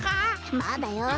まだよ。